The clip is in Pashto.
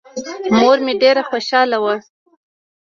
مور مې ډېره خوشاله وه.